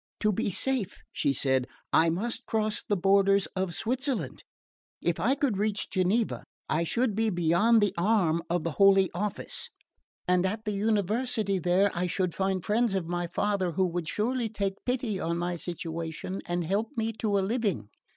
"To be safe," she said, "I must cross the borders of Switzerland. If I could reach Geneva I should be beyond the arm of the Holy Office, and at the University there I should find friends of my father who would surely take pity on my situation and help me to a living.